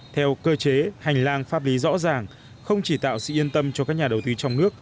theo cơ chế hành lang pháp lý rõ ràng không chỉ tạo sự yên tâm cho các nhà đầu tư trong nước